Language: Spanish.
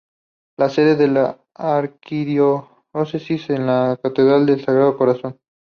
La sede de la Arquidiócesis es la Catedral del Sagrado Corazón.